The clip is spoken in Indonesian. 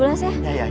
udah diketahui bang